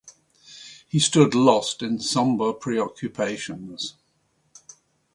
He stood lost in sombre preoccupations.